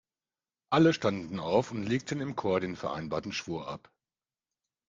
Alle standen auf und legten im Chor den vereinbarten Schwur ab.